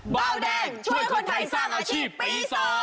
เบาแดงช่วยคนไทยสร้างอาชีพปี๒